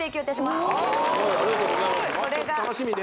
すごいありがとうございます楽しみね